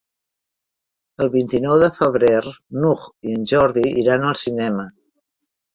El vint-i-nou de febrer n'Hug i en Jordi iran al cinema.